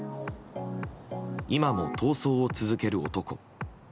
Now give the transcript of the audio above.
今も逃走を続ける男。